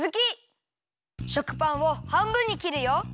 食パンをはんぶんにきるよ。